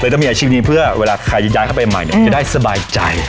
ต้องมีอาชีพนี้เพื่อเวลาใครย้ายเข้าไปใหม่เนี่ยจะได้สบายใจ